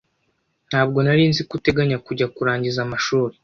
Ntabwo nari nzi ko uteganya kujya kurangiza amashuri.